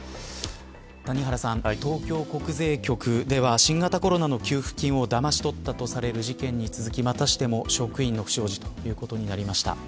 谷原さん、東京国税局では新型コロナの給付金をだまし取ったとされる事件に続きまたしても職員の不祥事ということになりました。